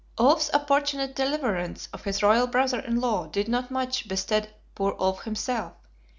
Ulf's opportune deliverance of his royal brother in law did not much bestead poor Ulf himself.